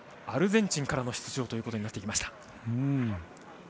アルゼンチンからの出場となってきました。